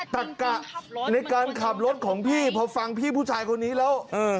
ตะกะในการขับรถของพี่พอฟังพี่ผู้ชายคนนี้แล้วเออ